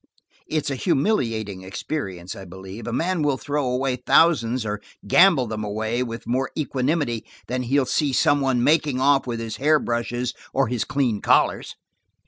"It's a humiliating experience, I believe. A man will throw away thousands, or gamble them away, with more equanimity than he'll see some one making off with his hair brushes or his clean collars."